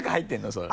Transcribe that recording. それ。